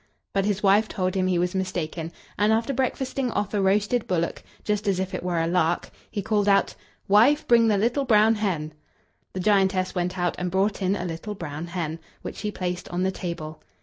But his wife told him he was mistaken, and after breakfasting off a roasted bullock, just as if it were a lark, he called out: "Wife, bring the little brown hen!" The giantess went out and brought in a little brown hen, which she placed on the table.